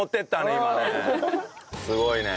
すごいね。